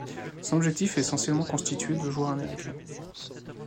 Son effectif est essentiellement constitué de joueurs américains.